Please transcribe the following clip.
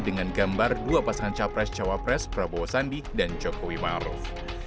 dengan gambar dua pasangan capres capres prabowo sandi dan jokowi maruf